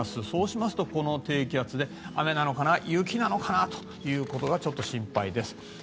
そうしますとこの低気圧で雨なのかな雪なのかなというのがちょっと心配です。